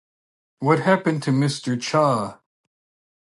What Happened to Mister Cha?